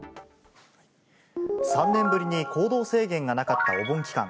３年ぶりに行動制限がなかったお盆期間。